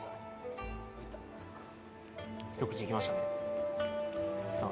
一口いきましたねさあ